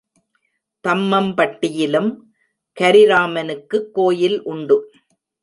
தம்மம்பட்டியிலும் கரிராமனுக்குக் கோயில் உண்டு.